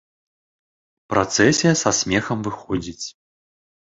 Працэсія са смехам выходзіць.